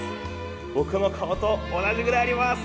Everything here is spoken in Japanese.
僕の顔と同じぐらいあります！